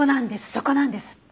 そこなんです。